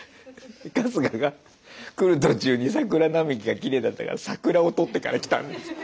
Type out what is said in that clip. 春日が来る途中に桜並木がきれいだったから桜を撮ってから来た。